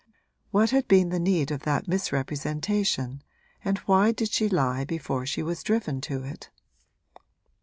What had been the need of that misrepresentation and why did she lie before she was driven to it?